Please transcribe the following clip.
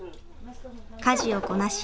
家事をこなし